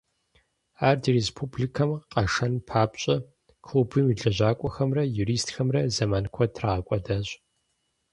Ар ди республикэм къашэн папщӀэ, клубым и лэжьакӀуэхэмрэ юристхэмрэ зэман куэд трагъэкӀуэдащ.